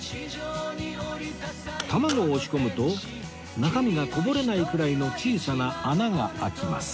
卵を押し込むと中身がこぼれないくらいの小さな穴が開きます